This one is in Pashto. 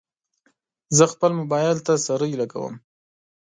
زه خپل موبایل ته سرۍ لګوم.